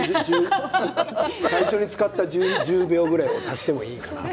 最初に使った１０秒ぐらいを足してもいいかなと。